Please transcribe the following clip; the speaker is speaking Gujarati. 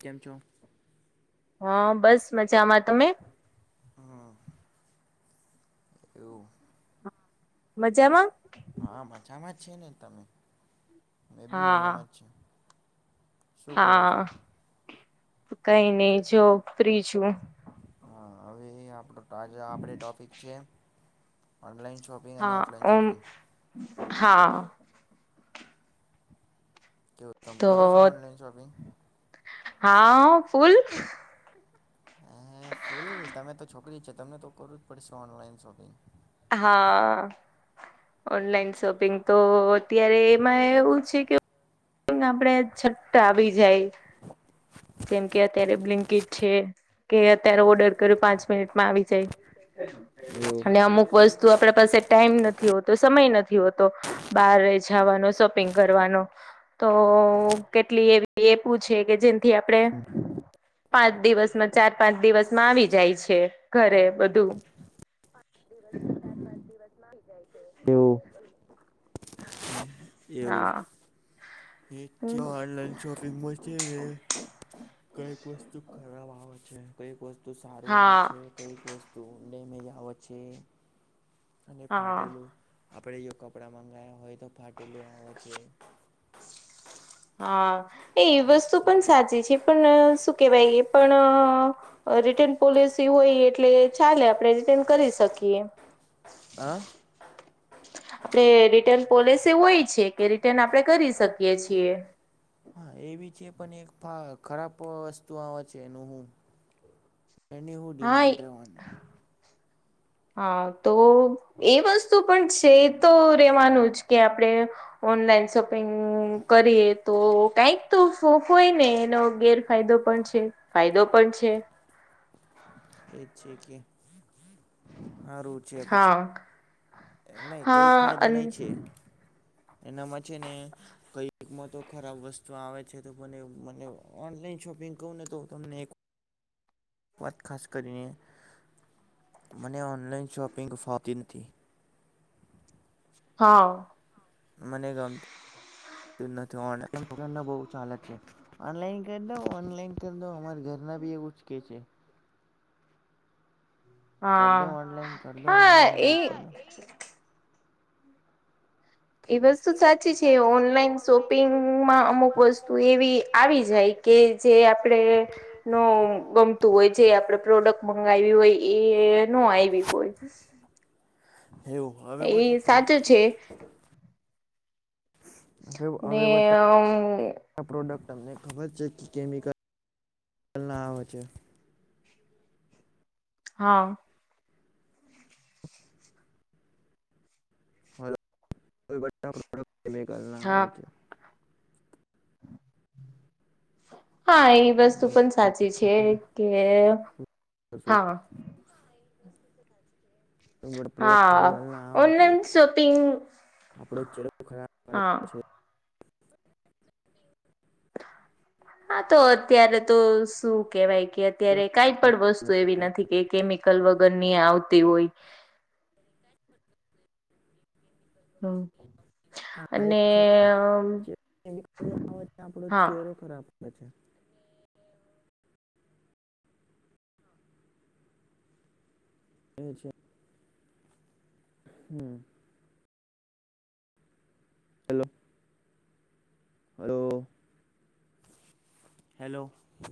કેમ છો. હા, બસ મજામાં તમે. હા. એવું. મજામાં. હા, મજામાં જ છે, ને તમે એબી હા મજામાં જ છે. શું કરો હા છો? કંઈ નહીં જોફ્રી છું. હા હવે આપ ટોપિક છે, ઓનલાઈન શોપિંગ. અને હા, ઓફલાઈન શોપિંગ. ઓમહા. કેવું તમે કરો છો ઓનલાઈન શોપિંગ? તોહા ફૂલ. હે ફૂલ તમે તો છોકરીજ છે, તમને તો કરવુંજ પડશે ઓનલાઈન શોપિંગ. હા [inaudible] ઓનલાઈન શોપિંગ તો અત્યારે એમાં એવું છે, કે આપડે છઠ્ઠા આવી જાય જેમ કે, અત્યારે બ્લિન્કીટ છે. કે અત્યારે ઓર્ડર કર્યો પાંચ મિનિટમાં આવી જાય. અને અમુક વસ્તુ આપણા પાસે ટાઈમ નથી હોતો, સમય નથી હોતો. બહાર જવાનો શોપિંગ કરવાનો તો કેટલી એવી એપુ છે, કે જેથી આપણે. પાંચ દિવસમાં ચાર પાંચ દિવસમાં આવી જાય છે, ઘરે બધું. બેવ [inaudible] એવું હા એ ઓનલાઈન શોપિંગમાં છે, ને કંઈક વસ્તુ ખરાબ આવે છે, કંઈક વસ્તુ સારું આવે હા છે. કંઈક વસ્તુ ડેમેજ આવે છે, અને હા ફાટેલું. આપણે જો કપડાં મંગાવયા હોય તો ફાટેલું આવે છે. હાએ એ જ વસ્તુ છે પણ ને. સાચી છે, પણ શું કેવાય એ પણ. રિટર્ન પોલિસી હોય એટલે ચાલે આપણે રિટર્ન કરી શકીએ. હા. આપડે રિટર્ન પોલિસી હોય છે, કે રિટર્ન આપણે કરી શકીએ છીએ. હા એવી છે, પણ એક ખરાબ વસ્તુ આવે છે, એનું હું. એને હું હા ડિમાન્ડ રહેવાનું. હા તોએ વસ્તુ પણ છે, તો રહેેવાનું જકે આપણે. ઓનલાઈન શોપિંગ કરીએ તો કંઈક તો ફોફ હોય ને એનો ગેર. ફાયદો પણ છે, ફાયદો પણ છે. એજ છે, કે સારું છે, હા પછી નહી કંઈક હા ફાયદો અન નહી છે. એનામાં છે, ને કંઈ મોતો ખરાબ વસ્તુ આવે છે, તો મને મ ઓનલાઈન શોપિંગ કહું નેતો તમને. વાત ખાસ કરીને મને ઓનલાઈન શોપિંગ અ ફાવતી નથી‌. હા [inaudible] મને ગમતી નથી હોવા ચાલતી છે. ઓનલાઈન કરીદો, ઓનલાઈન કરીદો અમાર ઘરના ભી એવું જકે છે. હા કરદો ઓનલાઈન, કરદો હા એ ઓનલાઈન એ વસ્તુ સાચી છે, ઓનલાઈન શોપિંગમાં અમુક વસ્તુ એવી આવી જાયકે જે આપડેનો નો ગમતું હોય જે આપડે પ્રોડક્ટ મંગાવ્યું હોય એન આવી. નો બી બોજ એવું ભાવે બધા પ્રવી સાચું છે અવે ને [unintelligible] અમ આ પ્રોડક્ટ તમને ખબર છે કે કેમિકલ ના આવે છે. હા [unintelligible] પ્રોડક્ટ કેમિકલ ના હા આવે છે. હા એ વસ્તુ પણ સાચી છે કે હા [unintelligible] પ્રોડક્ટ હા કેમિકલ ના હોવાથી ઓનલાઈન શોપિંગ આપડો ચહરો ખરાબ હા હા તો અત્યારે તો શું કેવાય કે અત્યારે કઈ પણ વસ્તુ એવી નથી કેમિ કલ વગર ની આવતી હોય હમ હા એ અને છે ને આપો હા ચરો ખરાબ [unintelligible] અચછા હમ હેલો હલો હેલો